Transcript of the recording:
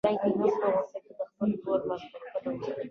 مجرمین یوازینۍ بشري قوه وه.